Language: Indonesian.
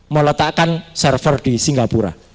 meletakkan server di singapura